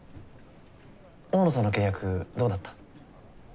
大野さんの契約どうだった？